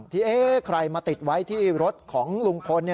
ที่ใครมาติดไว้ที่รถของลุงพล